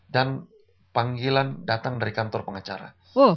dan panggilan datang dari kantor pengacara